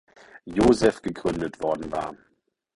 Joseph gegründet worden war.